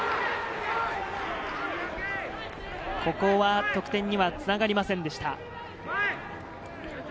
ここは得点にはつながりませんでした。